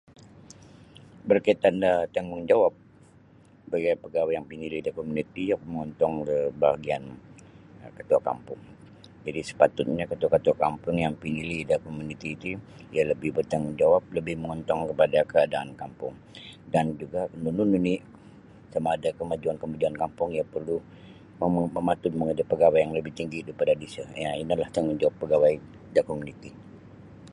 Berkaitan da tanggung jawab bagi' pagawai yang pinilih da komuniti oku mongontong da bahgian um ketua kampung. Jadi' sepatutnyo ketua-ketua kampung yang pinilih da komuniti ti iyo lebih bertanggungjawab lebih mongontong kapada kaadaan kampung dan juga' nunu nini' sama ada' kamajuan-kamajuan kampung iyo porlu momo mamatud kapada pagawai yang lebih tinggi' disiyo ya inolah tanggung jawab pagawai da komuniti.